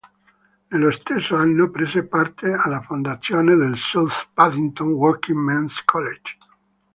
Nello stesso anno prese parte alla fondazione del South Paddington Working Men’s College.